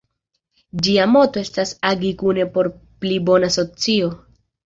Ĝia moto estas "Agi kune por pli bona socio".